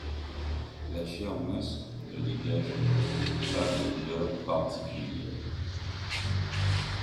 La chair mince, ne dégage pas d’odeur particulière.